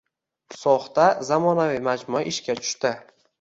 So‘xda zamonaviy majmua ishga tushding